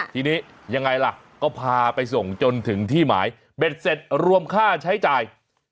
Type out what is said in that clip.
ทีนี้ยังไงล่ะก็พาไปส่งจนถึงที่หมายเบ็ดเสร็จรวมค่าใช้จ่าย